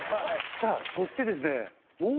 さぁそしてですね。